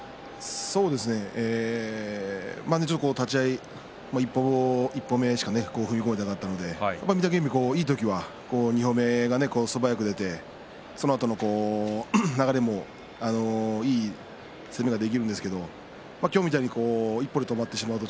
そうですね立ち合いの一歩目しか踏み込めていなかったので御嶽海がいい時は２歩目が素早く出てそのあとの流れもいい攻めができるんですが今日みたいに１歩で止まってしまうと